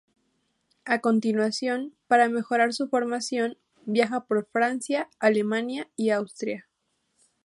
A continuación, para mejorar su formación, viaja por Francia, Alemania y Austria.